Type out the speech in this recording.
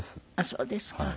そうですか。